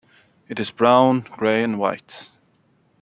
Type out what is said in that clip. It is brown, gray, and white.